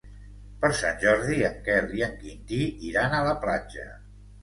Per Sant Jordi en Quel i en Quintí iran a la platja.